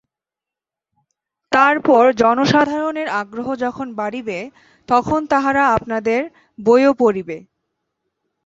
তারপর জনসাধারণের আগ্রহ যখন বাড়িবে, তখন তাহারা আপনাদের বইও পড়িবে।